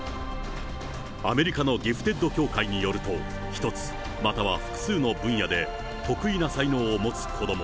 アメリカのギフテッド協会によると、１つまたは複数の分野で特異な才能を持つ子ども。